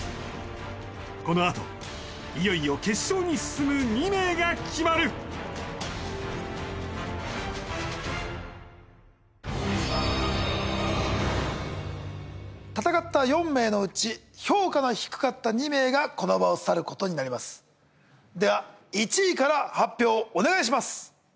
このあといよいよ決勝に進む２名が決まる戦った４名のうち評価の低かった２名がこの場を去ることになりますでは１位から発表お願いします